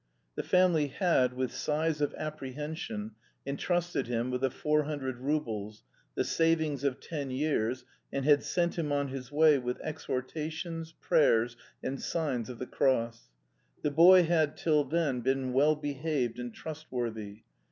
The family had, with sighs of apprehension, entrusted him with the four hundred roubles, the savings of ten years, and had sent him on his way with exhortations, prayers, and signs of the cross. The boy had till then been well behaved and trustworthy.